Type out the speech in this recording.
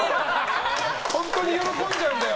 本当に喜んじゃうんだよ